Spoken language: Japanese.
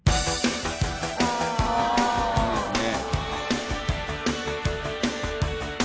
いいですね。